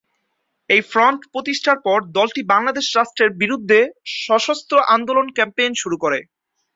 এই ফ্রন্ট প্রতিষ্ঠার পর, দলটি বাংলাদেশ রাষ্ট্রের বিরুদ্ধে সশস্ত্র আন্দোলন ক্যাম্পেইন শুরু করে।